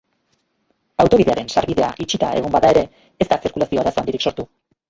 Autobidearen sarbidea itxita egon bada ere, ez da zirkulazio arazo handirik sortu.